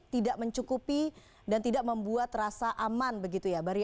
tidak mencukupi dan tidak membuat rasa aman begitu ya